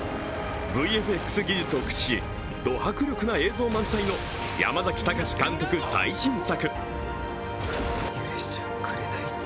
ＶＦＸ技術を駆使し、ド迫力な映像満載の山崎貴監督最新作。